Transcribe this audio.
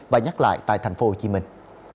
và nhắc lại tại thành phố hồ chí minh